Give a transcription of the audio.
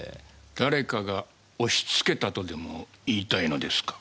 誰かが押し付けたとでも言いたいのですか？